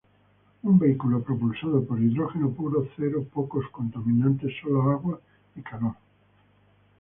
Un vehículo propulsado por hidrógeno puro cero pocos contaminantes, solo agua y calor.